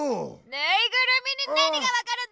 ぬいぐるみに何が分かるんだよ！